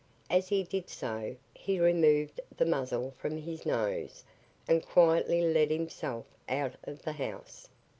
As he did so, he removed the muzzle from his nose and quietly let himself out of the house.